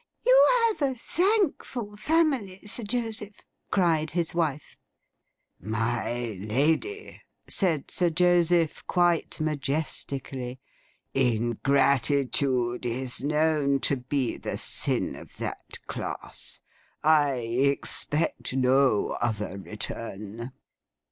'O! You have a thankful family, Sir Joseph!' cried his wife. 'My lady,' said Sir Joseph, quite majestically, 'Ingratitude is known to be the sin of that class. I expect no other return.